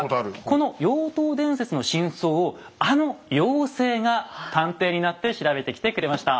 この妖刀伝説の真相をあの妖精が探偵になって調べてきてくれました。